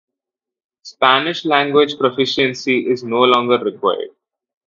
Spanish language proficiency is no longer required.